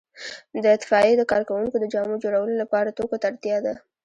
د اطفائیې د کارکوونکو د جامو جوړولو لپاره توکو ته اړتیا ده.